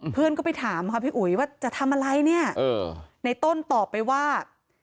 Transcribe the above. เพื่อนก็ไปถามค่ะพี่อุ๋ยว่าจะทำอะไรเนี่ยในต้นตอบไปว่า